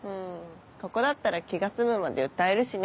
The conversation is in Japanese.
ここだったら気が済むまで歌えるしね。